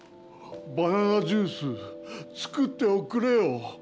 バナナジュース作っておくれよ。